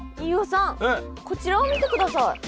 飯尾さんこちらを見てください。